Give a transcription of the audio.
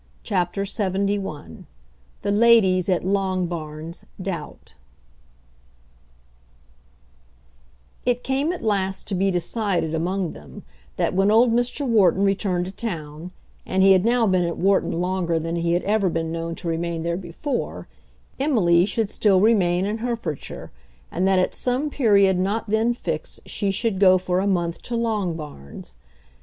CHAPTER LXXI The Ladies at Longbarns Doubt It came at last to be decided among them that when old Mr. Wharton returned to town, and he had now been at Wharton longer than he had ever been known to remain there before, Emily should still remain in Herefordshire, and that at some period not then fixed she should go for a month to Longbarns.